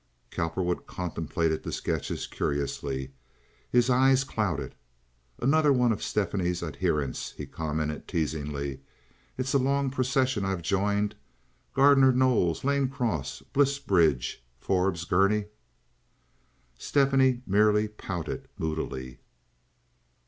Cowperwood contemplated the sketches curiously. His eyes clouded. "Another one of Stephanie's adherents," he commented, teasingly. "It's a long procession I've joined. Gardner Knowles, Lane Cross, Bliss Bridge, Forbes Gurney." Stephanie merely pouted moodily.